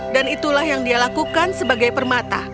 dan itulah yang dia lakukan sebagai permata